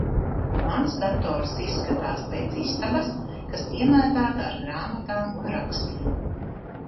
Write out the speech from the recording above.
Mans dators izskatās pēc istabas, kas piemētāta ar grāmatām un rakstiem.